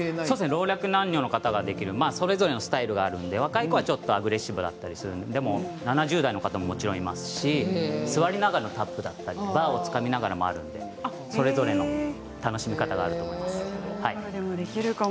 老若男女それぞれのスタイルがあるので若い子はちょっとアグレッシブで７０代の方もいますし座りながらのタップバーをつかみながらもあるのでそれぞれの楽しみ方があると思います。